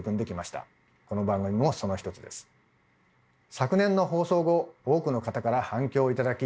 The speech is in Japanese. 昨年の放送後多くの方から反響を頂き